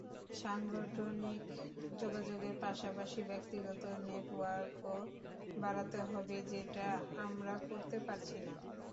সাংগঠনিক যোগাযোগের পাশাপাশি ব্যক্তিগত নেটওয়ার্কও বাড়াতে হবে, যেটা আমরা করতে পারছি না।